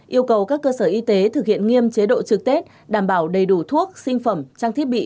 yêu cầu các cơ sở y tế thực hiện nghiêm chế độ trực tết đảm bảo đầy đủ thuốc sinh phẩm trang thiết bị